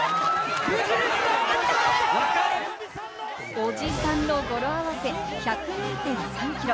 「おじさん」の語呂合わせ、１０２．３ｋｍ。